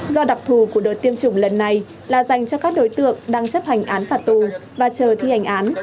do đặc thù của đợt tiêm chủng lần này là dành cho các đối tượng đang chấp hành án phạt tù và chờ thi hành án